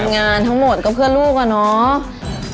งานทั้งหมดก็เพื่อลูกอะเนาะ